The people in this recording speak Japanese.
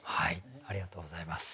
ありがとうございます。